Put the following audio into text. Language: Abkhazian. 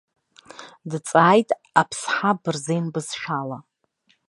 Дҵааит аԥсҳа бырзен бызшәала.